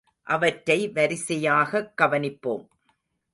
அவற்றை வரிசையாகக் கவனிப்போம்.